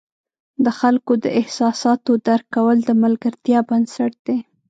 د خلکو د احساساتو درک کول د ملګرتیا بنسټ دی.